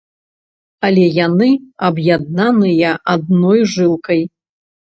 Але яны аб'яднаныя адной жылкай.